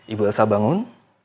ibu elsa bangun